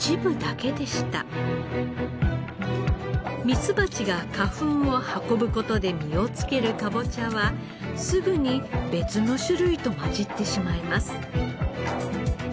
ミツバチが花粉を運ぶ事で実を付けるかぼちゃはすぐに別の種類と交じってしまいます。